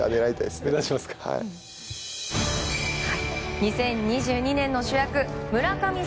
２０２２年の主役村神様